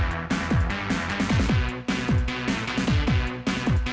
sampai saya yang akan be detalat